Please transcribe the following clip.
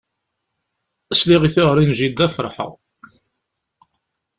Sliɣ i teɣri n jidda ferḥeɣ.